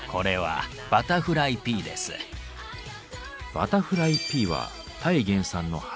バタフライピーはタイ原産の花のハーブ。